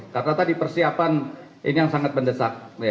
karena tadi persiapan ini yang sangat mendesak